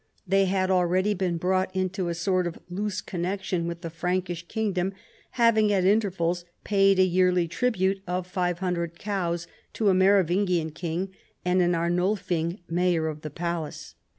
They had already been brought into a sort of loose connection with the Frankish kingdom, having at intervals paid a yearly tribute of 500 cows to a Merovingian king and Jln Arnulting mayor of the palace.